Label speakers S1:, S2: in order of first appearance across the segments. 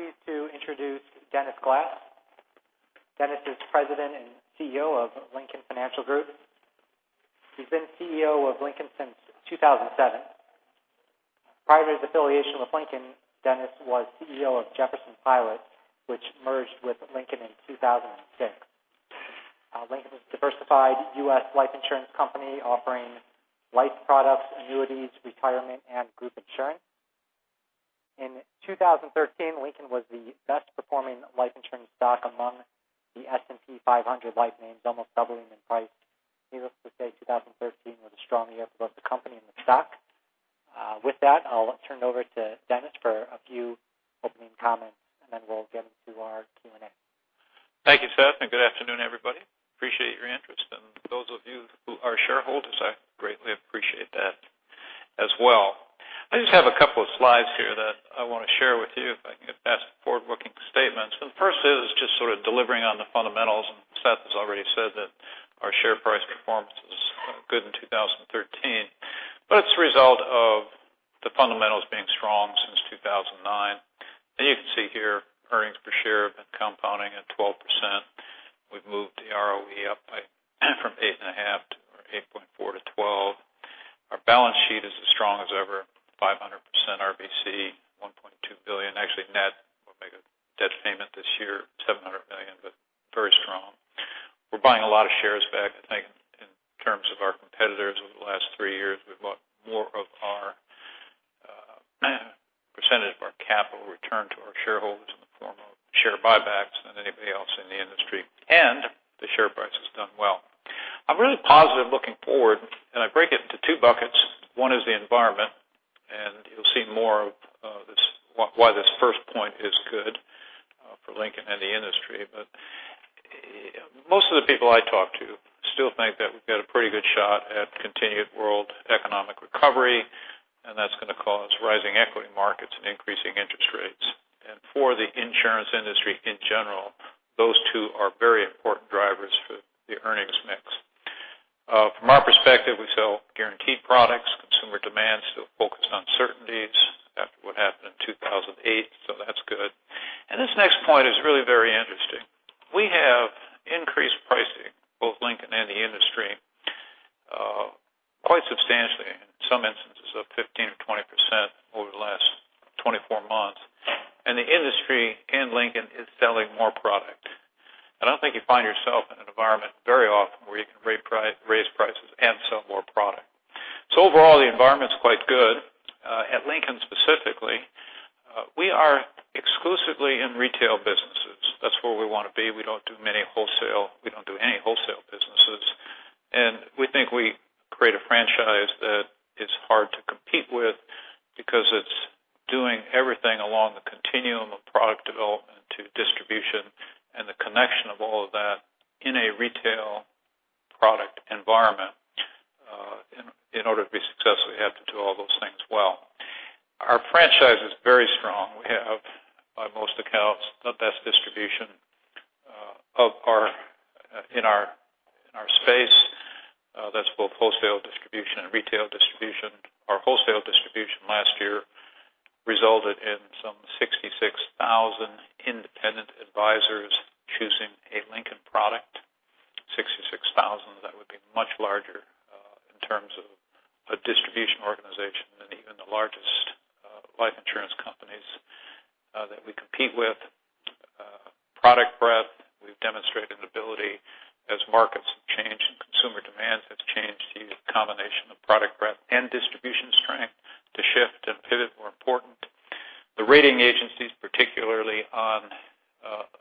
S1: I'm pleased to introduce Dennis Glass. Dennis is President and CEO of Lincoln Financial Group. He's been CEO of Lincoln since 2007. Prior to his affiliation with Lincoln, Dennis was CEO of Jefferson-Pilot Corp., which merged with Lincoln in 2006. Lincoln is a diversified U.S. life insurance company offering life products, annuities, retirement, and group insurance. In 2013, Lincoln was the best performing life insurance stock among the S&P 500 life names, almost doubling in price. Needless to say, 2013 was a strong year for both the company and the stock. With that, I'll turn it over to Dennis for a few opening comments, and then we'll get into our Q&A.
S2: Thank you, Seth, good afternoon, everybody. Appreciate your interest. Those of you who are shareholders, I greatly appreciate that as well. I just have a couple of slides here that I want to share with you if I can get past the forward-looking statements. The first is just sort of delivering on the fundamentals, Seth has already said that our share price performance was good in 2013. It's a result of the fundamentals being strong since 2009. You can see here earnings per share have been compounding at 12%. We've moved the ROE up from 8.5% to 8.4% to 12%. Our balance sheet is as strong as ever, 500% RBC, $1.2 billion. Actually net, we'll make a debt payment this year, $700 million, but very strong. We're buying a lot of shares back. I think in terms of our competitors over the last three years, we've bought more of our percentage of our capital returned to our shareholders in the form of share buybacks than anybody else in the industry. The share price has done well. I'm really positive looking forward, I break it into two buckets. One is the environment, you'll see more of why this first point is good for Lincoln and the industry. Most of the people I talk to still think that we've got a pretty good shot at continued world economic recovery, that's going to cause rising equity markets and increasing interest rates. For the insurance industry in general, those two are very important drivers for the earnings mix. From our perspective, we sell guaranteed products. Consumer demand is still focused on certainties after what happened in 2008, so that's good. This next point is really very interesting. We have increased pricing, both Lincoln and the industry, quite substantially, in some instances of 15%-20% over the last 24 months. The industry and Lincoln is selling more product. I don't think you find yourself in an environment very often where you can raise prices and sell more product. Overall, the environment's quite good. At Lincoln specifically, we are exclusively in retail businesses. That's where we want to be. We don't do any wholesale businesses. We think we create a franchise that is hard to compete with because it's doing everything along the continuum of product development to distribution and the connection of all of that in a retail product environment. In order to be successful, you have to do all those things well. Our franchise is very strong. We have, by most accounts, the best distribution in our space. That's both wholesale distribution and retail distribution. Our wholesale distribution last year resulted in some 66,000 independent advisors choosing a Lincoln product. 66,000, that would be much larger in terms of a distribution organization than even the largest life insurance companies that we compete with. Product breadth, we've demonstrated an ability as markets have changed and consumer demand has changed, to use a combination of product breadth and distribution strength to shift and pivot more important. The rating agencies, particularly on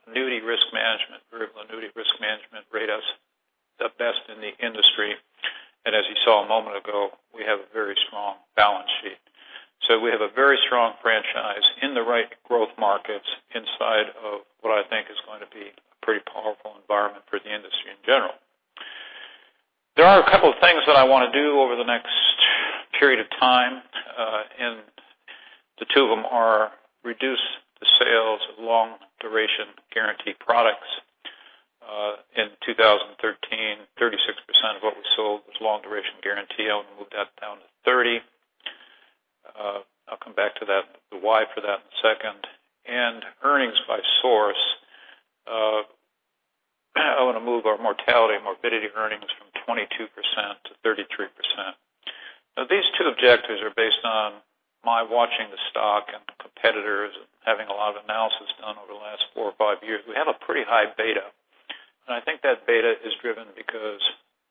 S2: annuity risk management, variable annuity risk management, rate us the best in the industry. As you saw a moment ago, we have a very strong balance sheet. We have a very strong franchise in the right growth markets inside of what I think is going to be a pretty powerful environment for the industry in general. There are a couple of things that I want to do over the next period of time. The two of them are reduce the sales of long-duration guarantee products. In 2013, 36% of what we sold was long-duration guarantee. I want to move that down to 30%. I'll come back to the why for that in a second. Earnings by source, I want to move our mortality and morbidity earnings from 22% to 33%. These two objectives are based on my watching the stock and the competitors and having a lot of analysis done over the last four or five years. We have a pretty high beta, I think that beta is driven because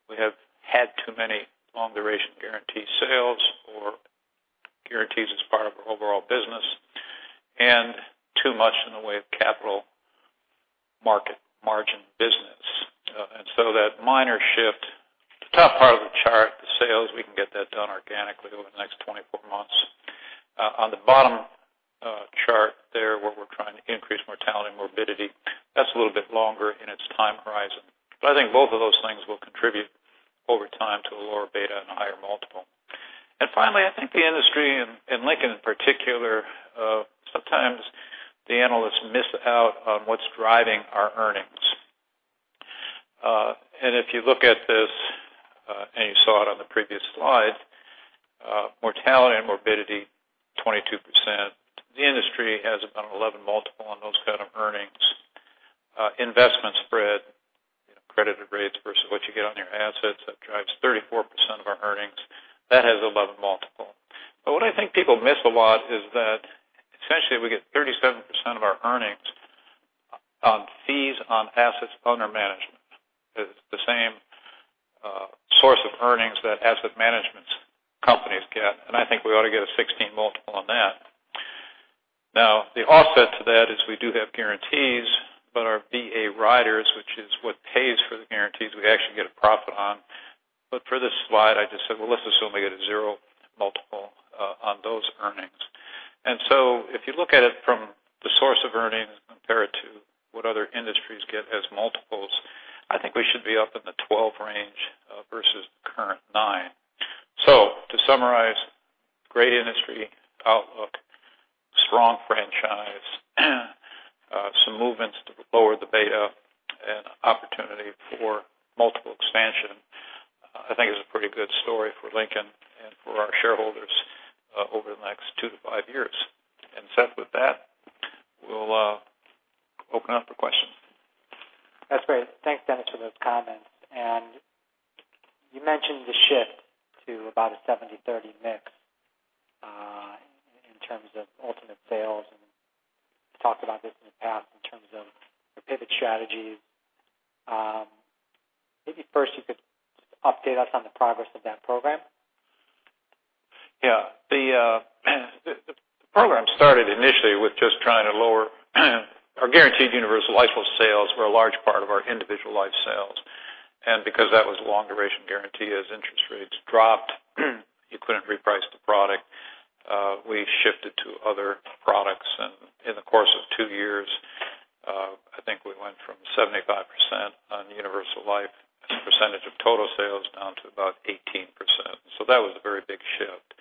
S2: we have had too many long-duration guarantee sales or guarantees as part of our overall business and too much in the way of capital market margin business. That minor shift, the top part of the chart, the sales, we can get that done organically over the next 24 months. On the bottom chart there, where we're trying to increase mortality and morbidity, that's a little bit longer in its time horizon. I think both of those things will contribute over time to a lower beta and a higher multiple. Finally, I think the industry and Lincoln in particular, sometimes the analysts miss out on what's driving our earnings. If you look at this, and you saw it on the previous slide, mortality and morbidity, 22%. The industry has about an 11 multiple on those kind of earnings. Investment spread, credited rates versus what you get on your assets, that drives 34% of our earnings. That has an 11 multiple. What I think people miss a lot is that essentially we get 37% of our earnings on fees on assets under management. It's the same source of earnings that asset management companies get, I think we ought to get a 16 multiple on that. The offset to that is we do have guarantees, but our VA riders, which is what pays for the guarantees we actually get a profit on. For this slide, I just said, well, let's assume we get a zero multiple on those earnings. If you look at it from the source of earnings and compare it to what other industries get as multiples, I think we should be up in the 12 range versus the current nine. To summarize, great industry outlook, strong franchise, some movements to lower the beta, and opportunity for multiple expansion. I think is a pretty good story for Lincoln and for our shareholders over the next 2 to 5 years. Seth, with that, we'll open up for questions.
S1: That's great. Thanks, Dennis, for those comments. You mentioned the shift to about a 70/30 mix, in terms of ultimate sales, we've talked about this in the past in terms of the pivot strategies. Maybe first you could update us on the progress of that program.
S2: Yeah. The program started initially with just trying to lower our guaranteed universal life sales were a large part of our individual life sales. Because that was a long-duration guarantee, as interest rates dropped, you couldn't reprice the product. We shifted to other products, in the course of two years, I think we went from 75% on universal life as a percentage of total sales down to about 18%. That was a very big shift.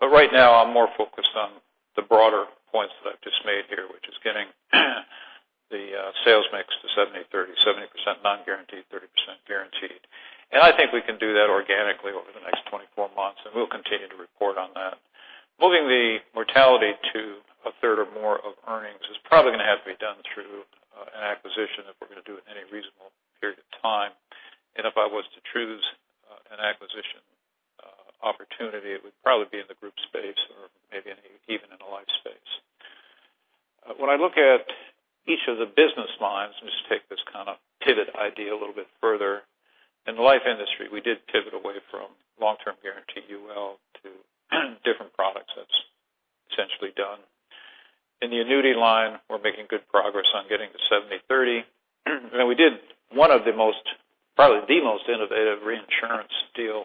S2: Right now I'm more focused on the broader points that I've just made here, which is getting the sales mix to 70/30, 70% non-guaranteed, 30% guaranteed. I think we can do that organically over the next 24 months, and we'll continue to report on that. Moving the mortality to a third or more of earnings is probably going to have to be done through an acquisition if we're going to do it in any reasonable period of time. If I was to choose an acquisition opportunity, it would probably be in the group space or maybe even in the life space. When I look at each of the business lines, just take this kind of pivot idea a little bit further. In the life industry, we did pivot away from long-term guarantee UL to different products. That's essentially done. In the annuity line, we're making good progress on getting to 70/30. We did one of the most innovative reinsurance deal,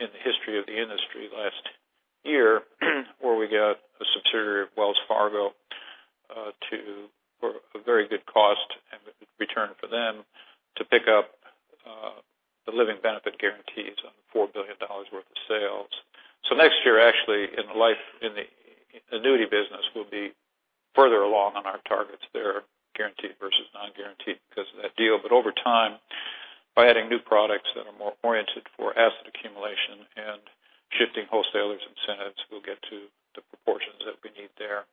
S2: in the history of the industry last year, where we got the subsidiary of Wells Fargo for a very good cost and return for them to pick up the living benefit guarantees on $4 billion worth of sales. Next year, actually, in the life, in the annuity business, we'll be further along on our targets there, guaranteed versus non-guaranteed because of that deal. Over time, by adding new products that are more oriented for asset accumulation and shifting wholesalers' incentives, we'll get to the proportions that we need there.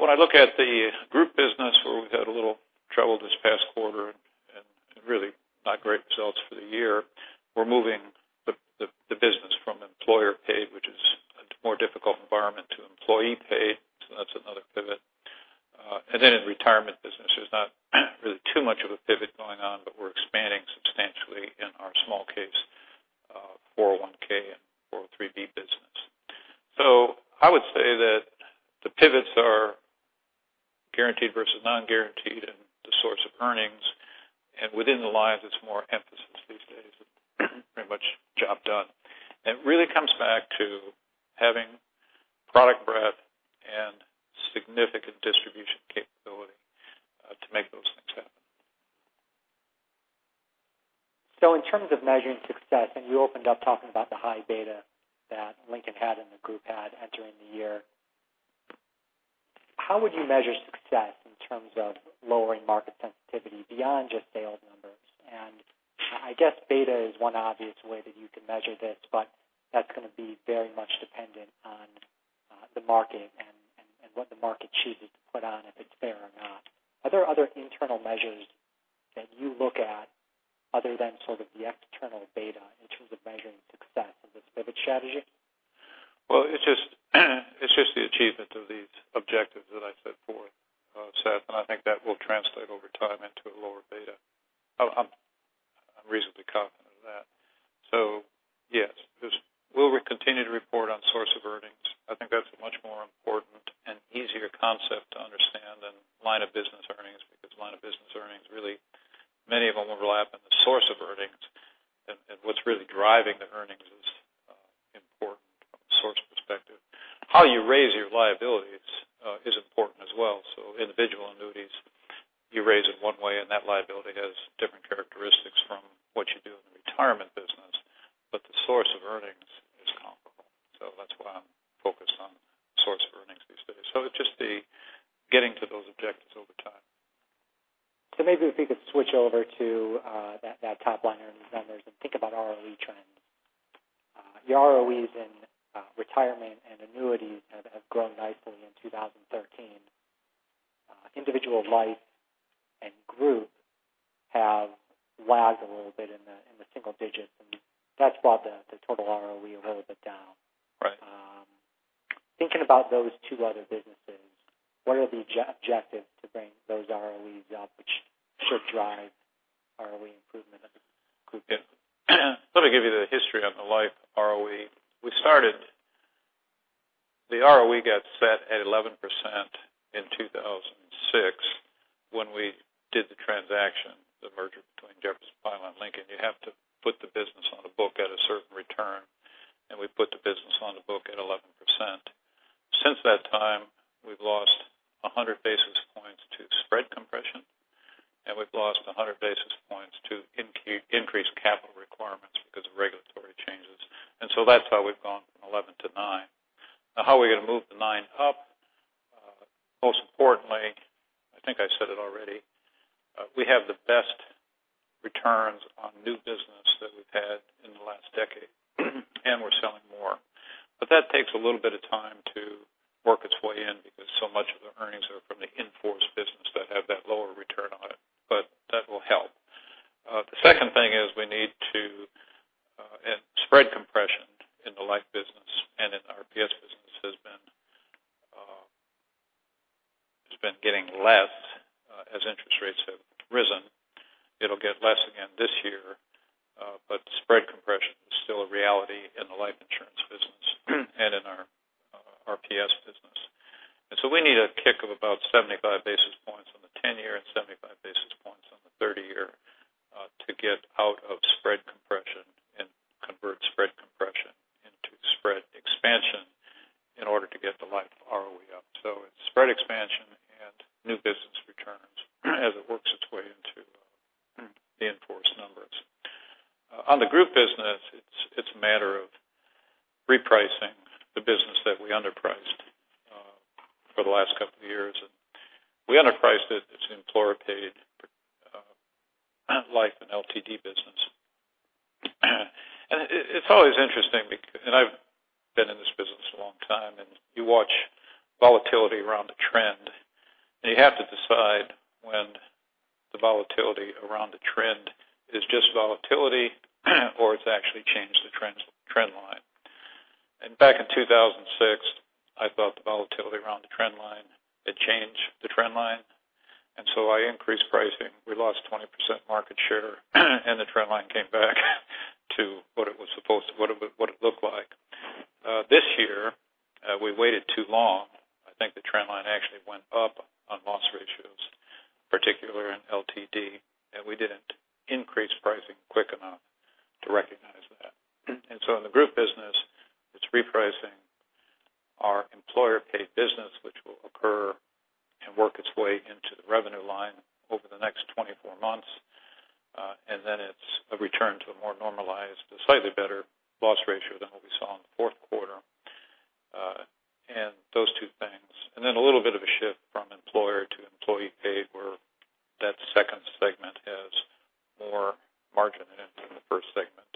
S2: When I look at the group business, where we've had a little trouble this past quarter and really not great results for the year, we're moving the business from employer-paid, which is a more difficult environment, to employee-paid, that's another pivot. In retirement business, there's not really too much of a pivot going on, but we're expanding substantially in our small case, 401 and 403 business. I would say that the pivots are guaranteed versus non-guaranteed and the source of earnings. Within the lines, it's more emphasis these days. It's pretty much job done. It really comes back to having product breadth and significant distribution capability to make those things happen.
S1: In terms of measuring success, you opened up talking about the high beta that Lincoln had and the group had entering the year. How would you measure success in terms of lowering market sensitivity beyond just sales numbers? I guess beta is one obvious way that you can measure this, but that's going to be very much dependent on the market and what the market chooses to put on, if it's fair or not. Are there other internal measures that you look at other than sort of the external beta in terms of measuring success of this pivot strategy?
S2: It's just the achievement of these objectives that I set forth, Seth, I think that will translate over time into a lower beta. I'm reasonably confident of that. Yes, we'll continue to report on source of earnings. I think that's a much more important and easier concept to understand than line of business earnings, because line of business earnings really, many of them overlap in the source of earnings. What's really driving the earnings is important from a source perspective. How you raise your liabilities is important as well. Individual annuities, you raise it one way and that liability has different characteristics from what you do in the retirement business, getting to those objectives over time.
S1: Maybe if we could switch over to that top-line earnings numbers and think about ROE trends. Your ROEs in retirement and annuities have grown nicely in 2013. Individual life and group have lagged a little bit in the single digits, and that's brought the total ROE a little bit down.
S2: Right.
S1: Thinking about those two other businesses, what are the objectives to bring those ROEs up, which should drive ROE improvement in the group?
S2: Let me give you the history on the life ROE. The ROE got set at 11% in 2006 when we did the transaction, the merger between Jefferson-Pilot and Lincoln. You have to put the business on a book at a certain return, and we put the business on the book at 11%. Since that time, we've lost 100 basis points to spread compression, and we've lost 100 basis points to increased capital requirements because of regulatory changes. That's how we've gone from 11 to 9. How are we going to move the 9 up? Most importantly, I think I said it already, we have the best returns on new business that we've had in the last decade, and we're selling more. That takes a little bit of time to work its way in because so much of the earnings are from the in-force business that have that lower return on it, but that will help. The second thing is spread compression in the life business and in our PS business has been getting less as interest rates have risen. It'll get less again this year, but spread compression is still a reality in the life insurance business and in our PS business. We need a kick of about 75 basis points on the 10-year and 75 basis points on the 30-year to get out of spread compression and convert spread compression into spread expansion in order to get the life ROE up. It's spread expansion and new business returns as it works its way into the in-force numbers. On the group business, it's a matter of repricing the business that we underpriced for the last couple of years. We underpriced it. It's employer-paid life and LTD business. It's always interesting. I've been in this business a long time, and you watch volatility around a trend, and you have to decide when the volatility around the trend is just volatility or it's actually changed the trend line. Back in 2006, I felt the volatility around the trend line had changed the trend line, so I increased pricing. We lost 20% market share, and the trend line came back to what it looked like. This year, we waited too long. I think the trend line actually went up on loss ratios, particularly in LTD, and we didn't increase pricing quick enough to recognize that. In the group business, it's repricing our employer-paid business, which will occur and work its way into the revenue line over the next 24 months. Then it's a return to a more normalized, a slightly better loss ratio than what we saw in the fourth quarter. Those two things. Then a little bit of a shift from employer to employee-paid, where that second segment has more margin in it than the first segment.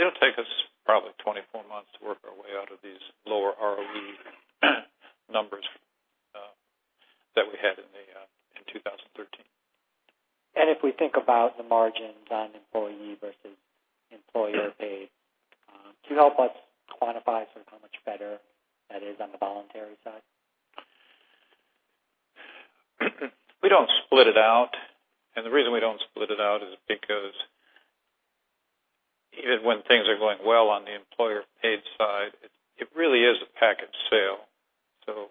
S2: It'll take us probably 24 months to work our way out of these lower ROE numbers that we had in 2013.
S1: If we think about the margins on employee- versus employer-paid, could you help us quantify sort of how much better that is on the voluntary side?
S2: We don't split it out. The reason we don't split it out is because even when things are going well on the employer-paid side, it really is a package sale.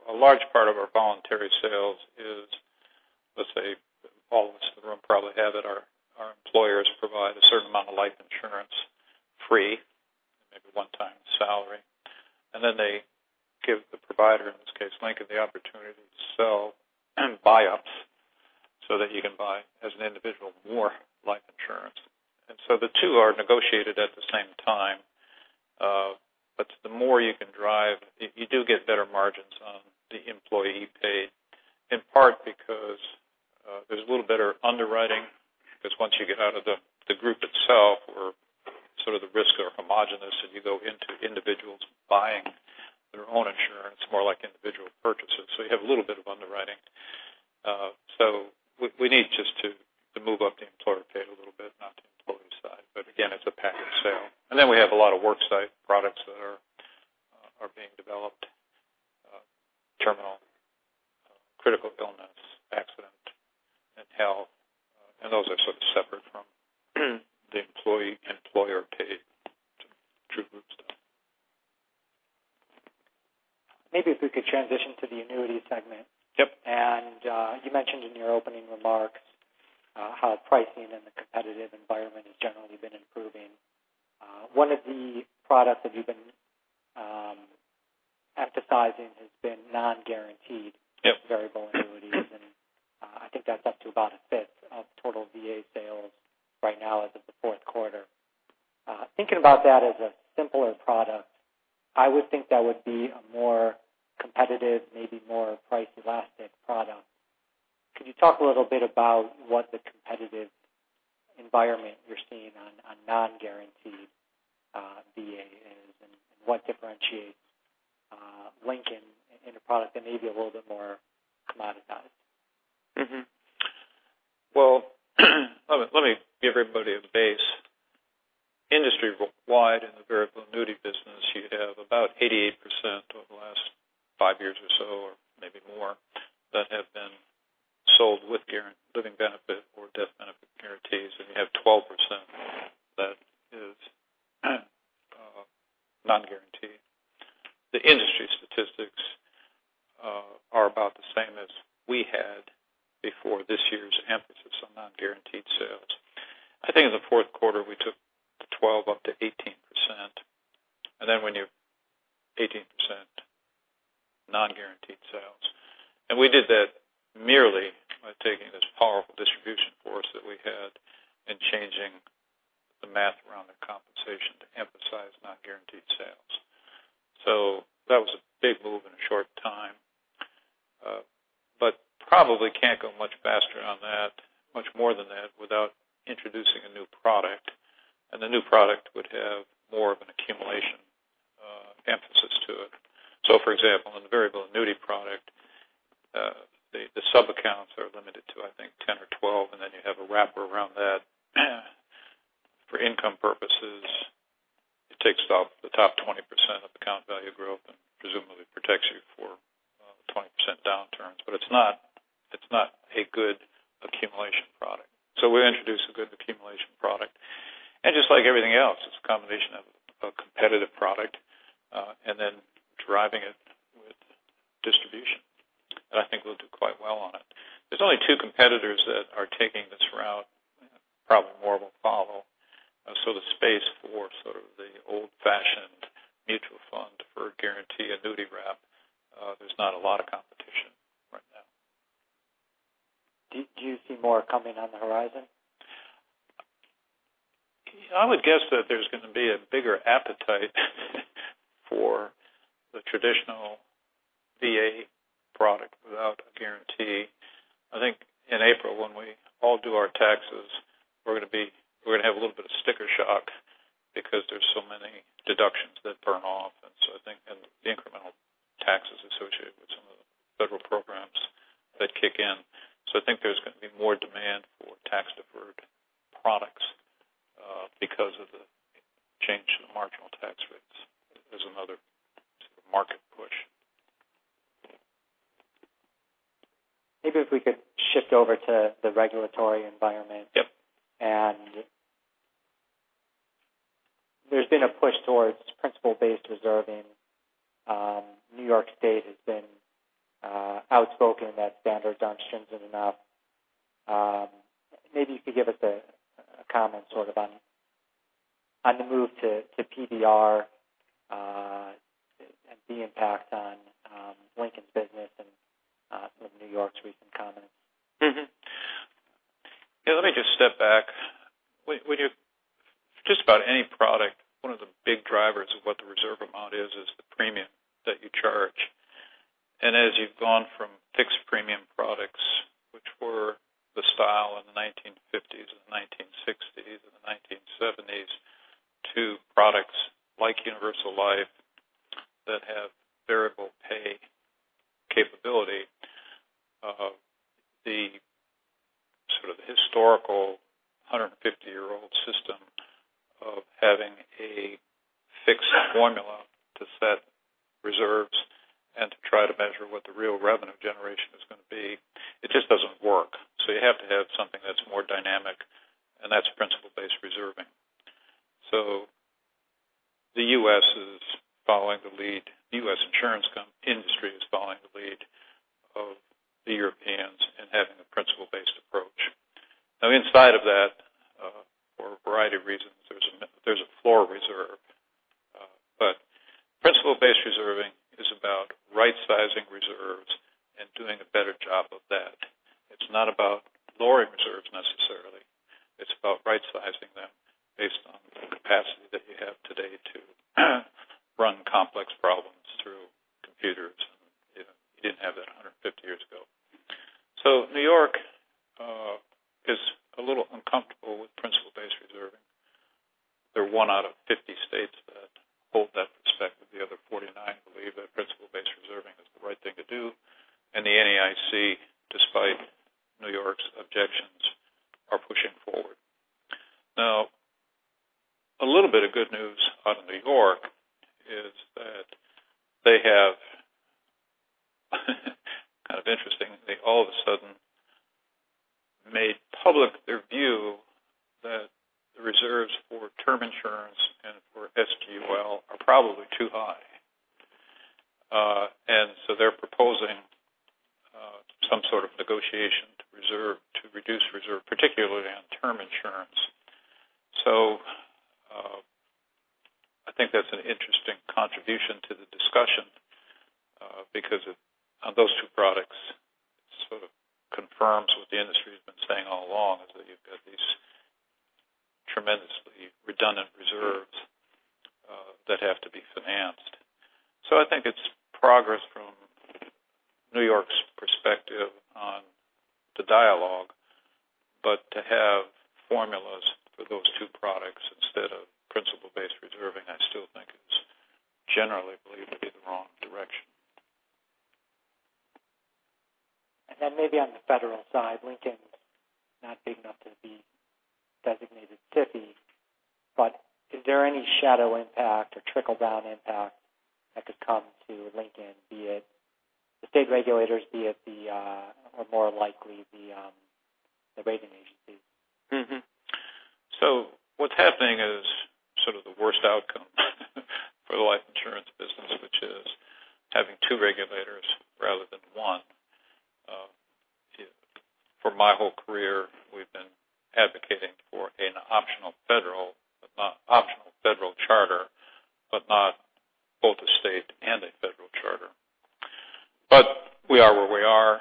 S2: A large part of our voluntary sales is, let's say, all of us in the room probably have it, our employers provide a certain amount of life insurance free, maybe one time salary. Then they give the provider, in this case, Lincoln, the opportunity to sell buy ups so that you can buy, as an individual, more life insurance. So the two are negotiated at the same time. The more you can drive, you do get better margins on the employee-paid, in part because there's a little better underwriting because once you get out of the group itself or sort of the risks are homogenous and you go into individuals buying their own insurance, more like individual purchases. You have a little bit of underwriting. We need just to move up the employer paid a little bit, not the employee side. Again, it's a package sale. Then we have a lot of worksite products that are being developed, term, critical illness, accident, and health. Those are sort of separate from the employee, employer-paid through group sale.
S1: Maybe if we could transition to the annuity segment.
S2: Yep.
S1: You mentioned in your opening remarks how pricing in the competitive environment has generally been improving. One of the products that you've been emphasizing has been non-guaranteed.
S2: Yep
S1: I think that's up to about a fifth of total VA sales right now as of the fourth quarter. Thinking about that as a simpler product, I would think that would be a more competitive, maybe more price elastic product. Could you talk a little bit about what the competitive environment you're seeing on non-guaranteed VA is and what differentiates Lincoln in a product that may be a little bit more
S2: The space for sort of the old-fashioned mutual fund for guarantee annuity wrap, there's not a lot of competition right now.
S1: Do you see more coming on the horizon?
S2: I would guess that there's going to be a bigger appetite for the traditional VA product without a guarantee. I think in April, when we all do our taxes, we're going to have a little bit of sticker shock because there's so many deductions that burn off. I think, and the incremental taxes associated with some of the federal programs that kick in. I think there's going to be more demand for tax-deferred products, because of the change in the marginal tax rates as another sort of market push.
S1: Maybe if we could shift over to the regulatory environment.
S2: Yep.
S1: There's been a push towards principle-based reserving. New York State has been outspoken that standards aren't stringent enough. Maybe you could give us a comment sort of on the move to PBR, and the impact on Lincoln's business and with New York's recent comments.
S2: Yeah, let me just step back. With just about any product, one of the big drivers of what the reserve amount is the premium that you charge. As you've gone from fixed premium products, which were the style in the 1950s and 1960s and the 1970s, to products like Universal Life that have variable pay capability of the sort of historical 150-year-old system of having a fixed formula to set reserves and to try to measure what the real revenue generation is going to be. It just doesn't work. You have to have something that's more dynamic, and that's principle-based reserving. The U.S. insurance industry is following the lead of the Europeans in having a principle-based approach. Now, inside of that, for a variety of reasons, there's a floor reserve. Principle-based reserving is about right-sizing reserves and doing a better job of that. It's not about lowering reserves necessarily. It's about right-sizing them based on the capacity that you have today to run complex problems through computers, and you didn't have that 150 years ago. New York is a little uncomfortable with principle-based reserving. They're one out of 50 states that hold that respect, with the other 49 believe that principle-based reserving is the right thing to do. The NAIC, despite New York's objections, are pushing forward. A little bit of good news out of New York is that they have, kind of interesting, they all of a sudden made public their view that the reserves for term insurance and for SGUL are probably too high. They're proposing some sort of negotiation to reduce reserve, particularly on term insurance. Because on those two products, it sort of confirms what the industry has been saying all along, is that you've got these tremendously redundant reserves that have to be financed. I think it's progress from New York's perspective on the dialogue. To have formulas for those two products instead of principle-based reserving, I still think it's generally believed to be the wrong direction.
S1: Maybe on the federal side, Lincoln's not big enough to be designated SIFI. Is there any shadow impact or trickle-down impact that could come to Lincoln, be it the state regulators, or more likely, the rating agencies?
S2: What's happening is sort of the worst outcome for the life insurance business, which is having two regulators rather than one. For my whole career, we've been advocating for an optional federal charter, but not both a state and a federal charter. We are where we are.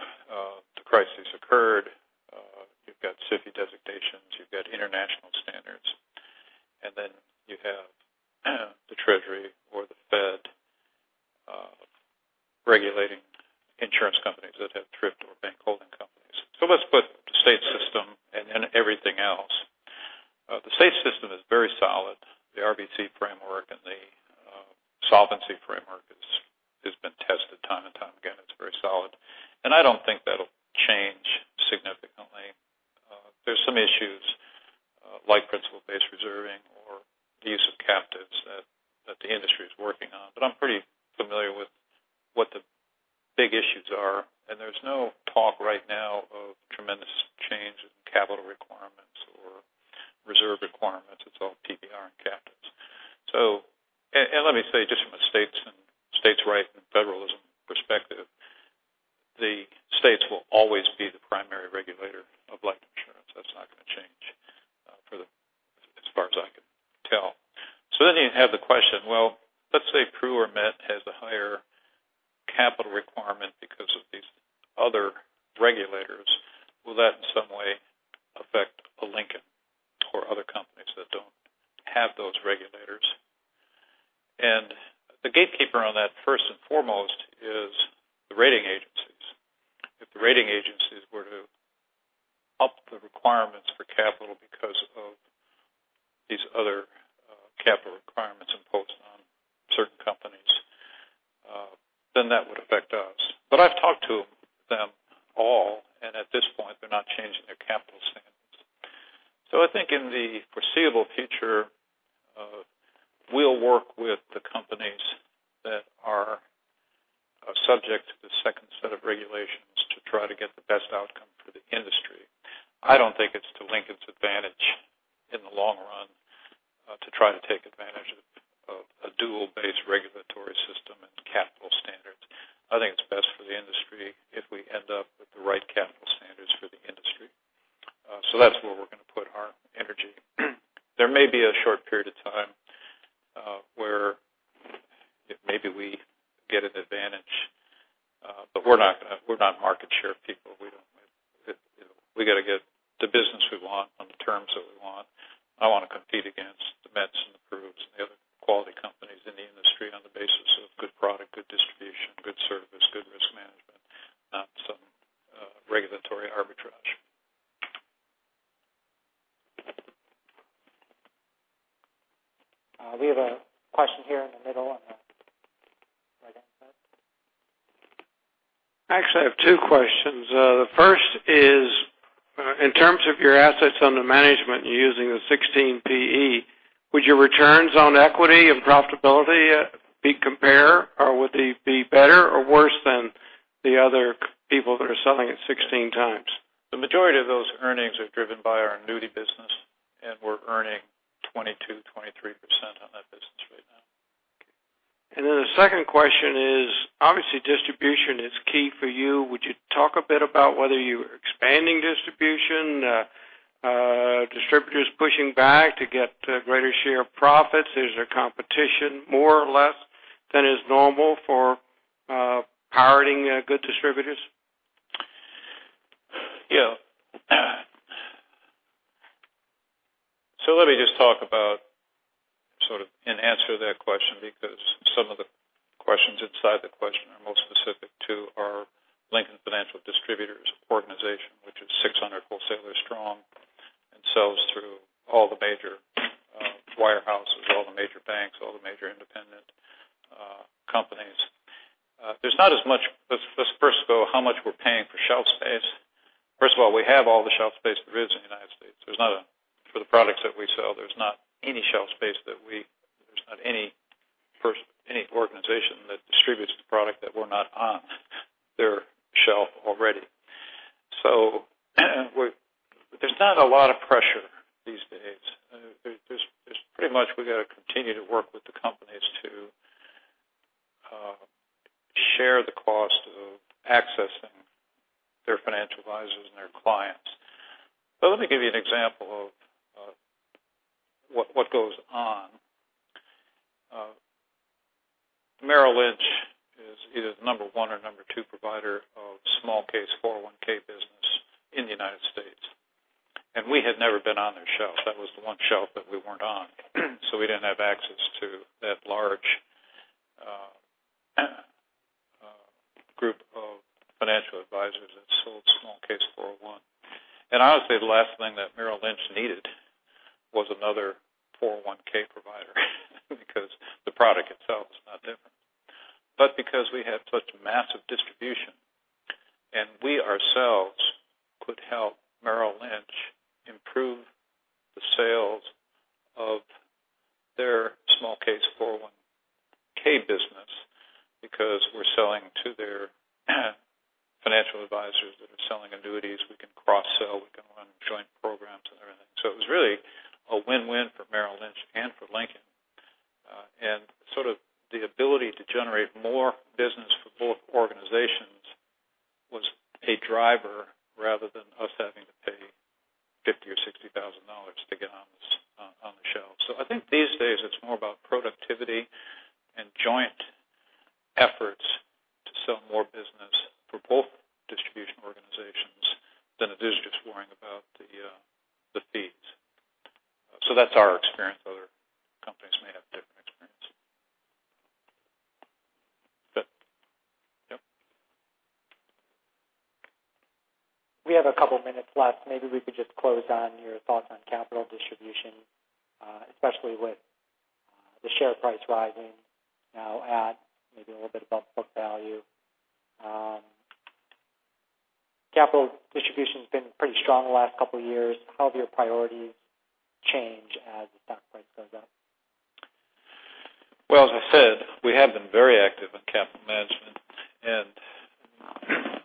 S2: We got to get the business we want on the terms that we want. I want to compete against the Mets and the Prus and the other quality companies in the industry on the basis of good product, good distribution, good service, good risk management not some regulatory arbitrage.
S1: We have a question here in the middle, on the right-hand side.
S3: Actually, I have two questions. The first is, in terms of your assets under management, you're using the 16 PE. Would your returns on equity and profitability be compare, or would they be better or worse than the other people that are selling at 16 times?
S2: The majority of those earnings are driven by our annuity business. We're earning 22%-23% on that business right now.
S3: The second question is, obviously distribution is key for you. Would you talk a bit about whether you are expanding distribution? Distributors pushing back to get greater share of profits? Is there competition, more or less than is normal for piloting good distributors?
S2: Let me just talk about sort of, and answer that question, because some of the questions inside the question are most specific to our Lincoln Financial Distributors organization, which is 600 wholesalers strong and sells through all the major wirehouses, all the major banks, all the major independent companies. Let's first go how much we're paying for shelf space. First of all, we have all the shelf space there is in the U.S. For the products that we sell, there's not any organization that distributes the product that we're not on their shelf already. There's not a lot of pressure these days. There's pretty much we got to continue to work with the companies to share the cost of access Advisors and their clients. Let me give you an example of what goes on. Merrill Lynch is either the number 1 or number 2 provider of small case 401 business in the U.S., and we had never been on their shelf. That was the one shelf that we weren't on, so we didn't have access to that large group of financial advisors that sold small case 401. I would say the last thing that Merrill Lynch needed was another 401 provider because the product itself is not different. Because we had such massive distribution and we ourselves could help Merrill Lynch improve the sales of their small case 401 business because we're selling to their financial advisors that are selling annuities. We can cross-sell, we can run joint programs and everything. It was really a win-win for Merrill Lynch and for Lincoln. Sort of the ability to generate more business for both organizations was a driver rather than us having to pay $50,000 or $60,000 to get on the shelf. I think these days it's more about productivity and joint efforts to sell more business for both distribution organizations than it is just worrying about the fees. That's our experience. Other companies may have different experience. Good. Yep.
S1: We have a couple minutes left. Maybe we could just close on your thoughts on capital distribution, especially with the share price rising now at maybe a little bit above book value. Capital distribution's been pretty strong the last couple of years. How have your priorities changed as the stock price goes up?
S2: Well, as I said, we have been very active in capital management.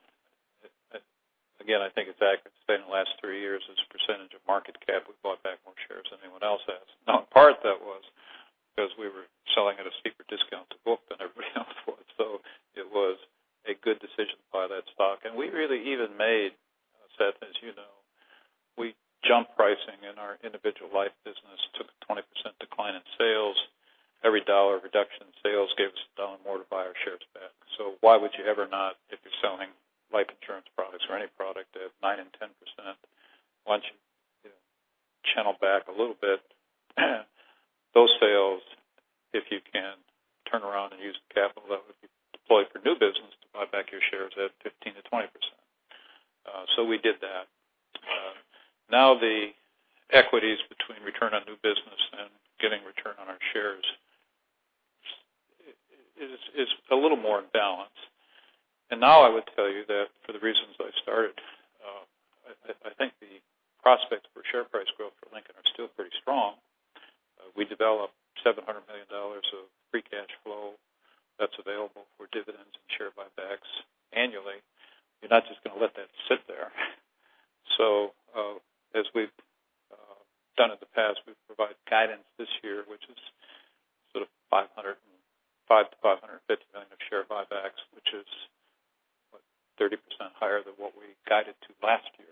S2: Again, I think it's accurate to say in the last three years, as a percentage of market cap, we've bought back more shares than anyone else has. Now, in part that was because we were selling at a secret discount to book than everybody else was. It was a good decision to buy that stock. We really even made, Seth as you know, we jumped pricing in our individual life business, took a 20% decline in sales. Every $1 reduction in sales gave us a $1 more to buy our shares back. Why would you ever not, if you're selling life insurance products or any product at 9% and 10%, why don't you channel back a little bit those sales if you can turn around and use capital that would be deployed for new business to buy back your shares at 15%-20%? We did that. Now the equities between return on new business and getting return on our shares is a little more in balance. Now I would tell you that for the reasons I started, I think the prospects for share price growth for Lincoln are still pretty strong. We developed $700 million of free cash flow that's available for dividends and share buybacks annually. You're not just going to let that sit there. As we've done in the past, we provide guidance this year, which is sort of $500 million to $550 million of share buybacks, which is 30% higher than what we guided to last year.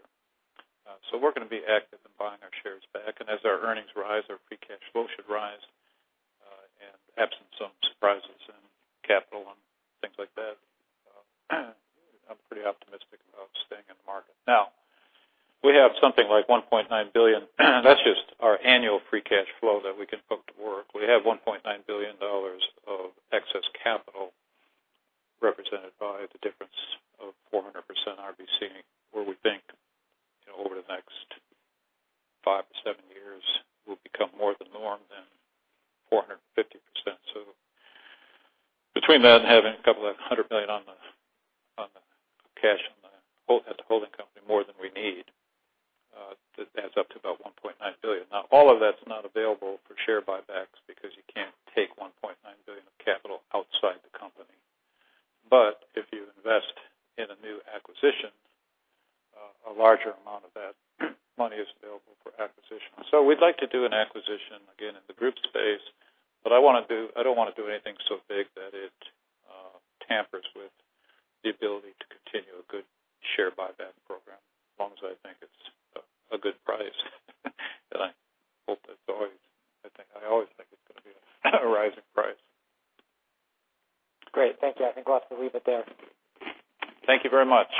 S2: We're going to be active in buying our shares back, and as our earnings rise, our free cash flow should rise. Absent some surprises in capital and things like that, I'm pretty optimistic about staying in the market. We have something like $1.9 billion. That's just our annual free cash flow that we can put to work. We have $1.9 billion of excess capital represented by the difference of 400% RBC, where we think over the next five to seven years, we'll become more the norm than 450%. Between that and having a couple of hundred million on the cash at the holding company, more than we need, that adds up to about $1.9 billion. All of that's not available for share buybacks because you can't take $1.9 billion of capital outside the company. If you invest in a new acquisition, a larger amount of that money is available for acquisition. We'd like to do an acquisition again in the group space. I don't want to do anything so big that it tampers with the ability to continue a good share buyback program, as long as I think it's a good price and I hope that's always. I always think it's going to be a rising price.
S1: Great. Thank you. I think we'll have to leave it there.
S2: Thank you very much.